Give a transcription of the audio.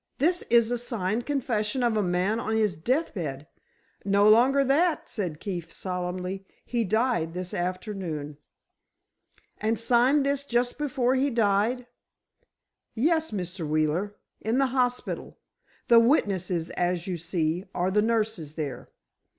This is a signed confession of a man on his death bed——" "No longer that," said Keefe, solemnly, "he died this afternoon." "And signed this just before he died?" "Yes, Mr. Wheeler. In the hospital. The witnesses, as you see, are the nurses there."